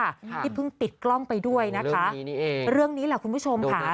ค่ะที่เพิ่งติดกล้องไปด้วยนะคะเรื่องนี้นี่เองเรื่องนี้แหละคุณผู้ชมค่ะ